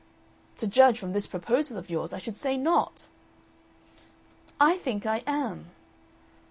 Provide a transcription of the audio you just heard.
"To judge from this proposal of yours, I should say not." "I think I am."